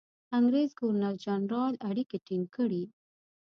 انګرېز ګورنرجنرال اړیکې ټینګ کړي.